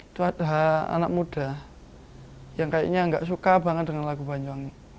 itu ada anak muda yang kayaknya nggak suka banget dengan lagu banyuwangi